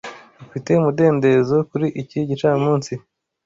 Ufite umudendezo kuri iki gicamunsi?